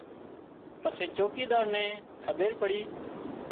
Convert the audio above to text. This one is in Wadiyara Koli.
پسي چوڪيڌار نين کٻير پڙي